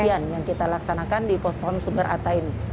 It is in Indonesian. demikian yang kita laksanakan di pospon sumerata ini